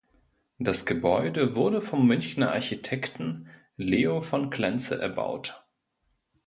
Das Gebäude wurde vom Münchner Architekten Leo von Klenze erbaut.